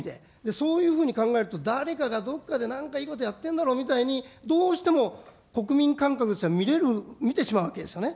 そういうふうに考えると、誰かがどこかでなんかいいことやってんだろうみたいに、どうしても国民感覚としては見てしまうわけですよね。